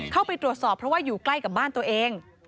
เข้าไปตรวจสอบเพราะว่าอยู่ใกล้กับบ้านตัวเอง